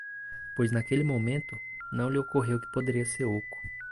Pois naquele momento? não lhe ocorreu que poderia ser oco.